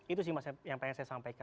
itu sih yang ingin saya sampaikan